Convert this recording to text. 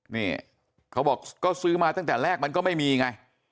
นี่เขาบอกก็ซื้อมาตั้งแต่แรกมันก็ไม่มีไง